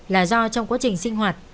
là do trong quá trình sinh hoạt